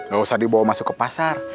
gak usah dibawa masuk ke pasar